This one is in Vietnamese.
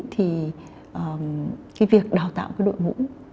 thì cái việc đào tạo đội ngũ